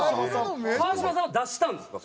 川島さんは脱したんですか？